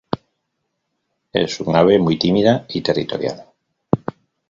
Es un ave muy tímida y territorial.